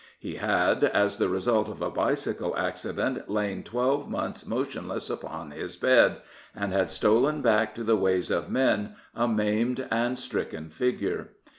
lie had, as the result of a bicycle accident lain twelve months motionless upon his bed, and had stolen back to the ways of men a maimed and stricken figure.